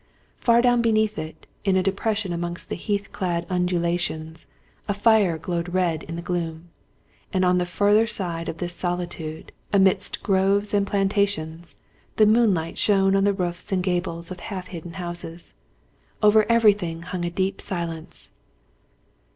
Far down beneath it, in a depression amongst the heath clad undulations, a fire glowed red in the gloom. And on the further side of this solitude, amidst groves and plantations, the moonlight shone on the roofs and gables of half hidden houses. Over everything hung a deep silence.